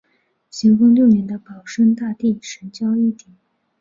咸丰六年的保生大帝神轿一顶。